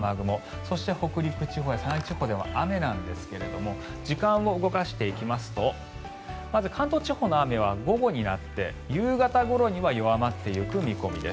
そして、北陸地方や山陰地方雨なんですが時間を動かしていきますとまず、関東地方の雨は午後になって夕方ごろには弱まっていく見込みです。